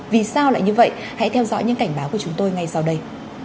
vì sao lại như vậy hãy theo dõi những cảnh báo của chúng tôi ngay sau đây